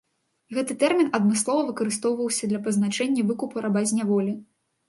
Гэты тэрмін адмыслова выкарыстоўваўся для пазначэння выкупу раба з няволі.